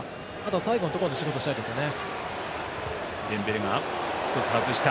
最後のところで仕事したいですね。